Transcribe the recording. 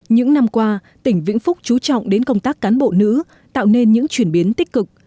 những năm qua tỉnh vĩnh phúc chú trọng đến công tác cán bộ nữ tạo nên những chuyển biến tích cực